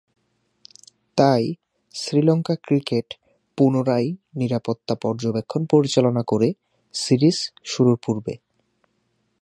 তাই শ্রীলঙ্কা ক্রিকেট পুনরায় নিরাপত্তা পর্যবেক্ষণ পরিচালনা করে সিরিজ শুরুর পূর্বে।